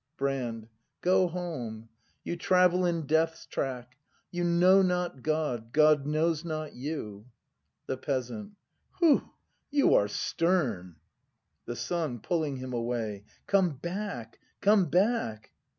Brand. Go home. You travel in death's track. You know not God, God knows not you. The Peasant. Hoo, you are stern! The Son. [Pulling him away.] Come back! come back!